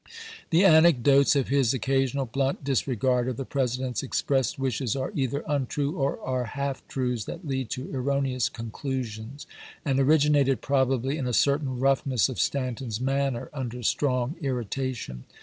The anecdotes of his occasional blunt disregard of the President's expressed wishes are either un true or are half truths that lead to erroneous conclusions, and originated probably in a certain roughness of Stanton's manner under strong irrita tion.